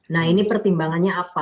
nah ini pertimbangannya apa